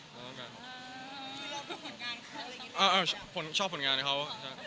หนังงอยจะน่วมรอบไม่งั้นไหนนะ